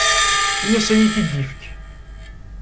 Ini-as ad iyi-t-id-yefk.